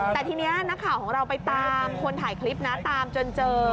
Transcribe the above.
แต่ทีนี้นักข่าวของเราไปตามคนถ่ายคลิปนะตามจนเจอ